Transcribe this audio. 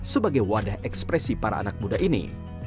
sebagai wadah ekspresi para anak muda ini